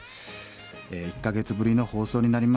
え１か月ぶりの放送になりました。